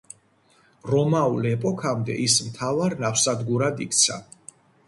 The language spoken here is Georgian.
რომაულ ეპოქამდე ის მთავარ ნავსადგურად იქცა.